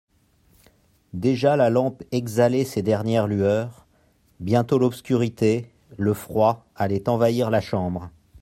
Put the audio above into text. Déjà la lampe exhalait ses dernières lueurs ; bientôt l'obscurité, le froid, allaient envahir la chambre.